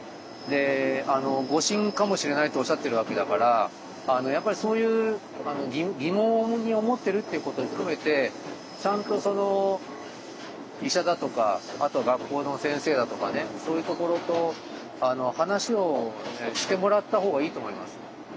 であの「誤診かもしれない」とおっしゃってるわけだからやっぱりそういう疑問に思ってるっていうことを含めてちゃんとその医者だとかあと学校の先生だとかねそういうところと話をねしてもらったほうがいいと思います。